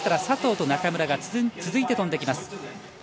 佐藤と中村が続いて飛んできます。